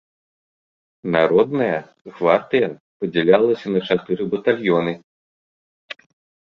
Народная гвардыя падзялялася на чатыры батальёны.